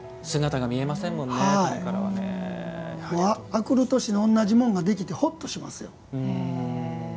明くる年の同じもんができてほっとしますよ。